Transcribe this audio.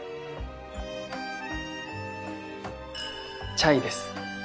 チャイです。